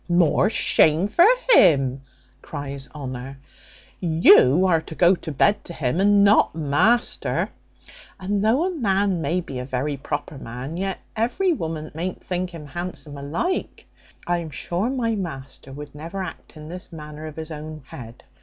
"More shame for him," cries Honour: "you are to go to bed to him, and not master: and thof a man may be a very proper man, yet every woman mayn't think him handsome alike. I am sure my master would never act in this manner of his own head.